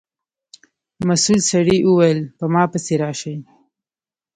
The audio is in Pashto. مسؤل سړي و ویل په ما پسې راشئ.